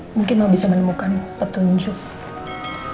mungkin mau bisa menemukan petunjuk